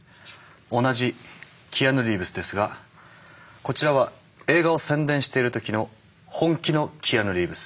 同じキアヌ・リーブスですがこちらは映画を宣伝してる時の本気のキアヌ・リーブス。